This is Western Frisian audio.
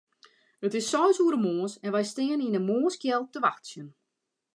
It is seis oere moarns en wy steane yn 'e moarnskjeld te wachtsjen.